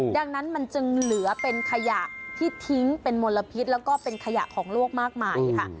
ดังนั้นมันจึงเหลือเป็นขยะที่ทิ้งเป็นมลพิษแล้วก็เป็นขยะของโลกมากมายค่ะ